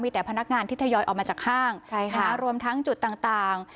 มีแต่พนักงานที่ทยอยออกมาจากห้างรวมทั้งจุดต่าง